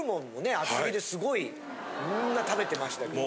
厚木ですごいみんな食べてましたけど。